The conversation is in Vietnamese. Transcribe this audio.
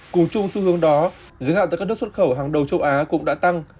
cùng chung xu hướng đó giới hạn tại các nước xuất khẩu hàng đầu châu á cũng đã tăng